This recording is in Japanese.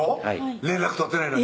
連絡取ってないのに？